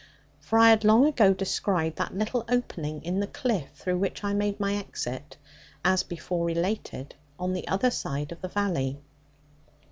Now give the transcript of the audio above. For I had long ago descried that little opening in the cliff through which I made my exit, as before related, on the other side of the valley.